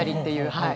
はい。